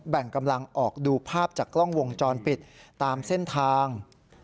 แบ่งกำลังออกดูภาพจากกล้องวงจรปิดตามเส้นทาง